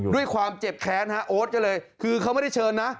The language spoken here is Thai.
ด้วยความเจ็บแค้นฮะโอ๊ตก็เลยคือเขาไม่ได้เชิญนะ